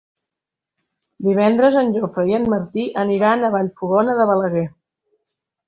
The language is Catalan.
Divendres en Jofre i en Martí aniran a Vallfogona de Balaguer.